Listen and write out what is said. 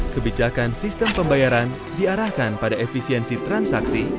kebijakan sistem pembayaran diarahkan pada efisiensi transaksi